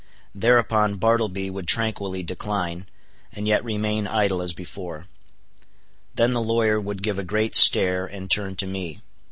Thereupon, Bartleby would tranquilly decline, and yet remain idle as before. Then the lawyer would give a great stare, and turn to me.